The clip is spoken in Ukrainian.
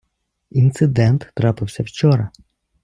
Інцидент трапився вчора.